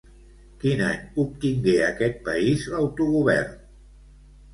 Quin any obtingué aquest país l'autogovern?